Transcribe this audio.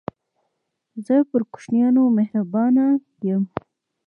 زه پر کوچنيانو مهربانه يم.